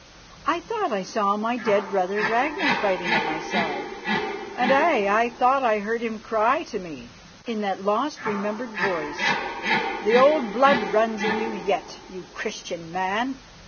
I thought I saw my dead brother Ragnar fighting at my side; aye, and I thought I heard him cry to me, in that lost, remembered voice: "The old blood runs in you yet, you Christian man!